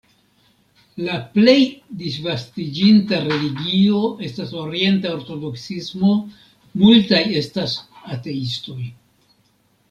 La plej disvastiĝinta religio estas orienta ortodoksismo, multaj estas ateistoj.